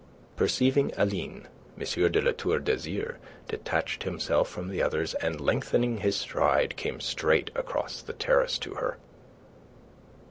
Perceiving Aline, M. de La Tour d'Azyr detached himself from the others, and lengthening his stride came straight across the terrace to her.